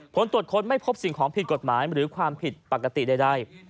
ผลตรวจค้นไม่พบสิ่งของผิดกฎหมายหรือความผิดปกติใด